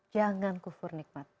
jangan kufur nikmat